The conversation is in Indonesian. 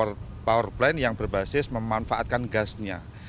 ini power plant yang berbasis memanfaatkan gasnya